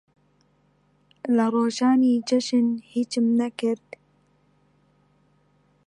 لە ڕۆژانی جەژن هیچم نەکرد.